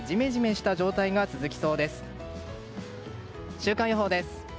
週間予報です。